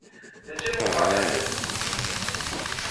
De ce vom face acest lucru?